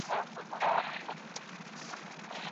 سردار محمد داود خان د کرنې د عصري کولو لپاره پروژې طرح کړې وي.